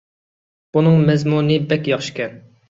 بۇنىڭ مەزمۇنى بەك ياخشىكەن.